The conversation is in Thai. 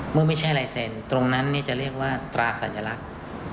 ไม่ใช่ลายเซ็นตรงนั้นจะเรียกว่าตราสัญลักษณ์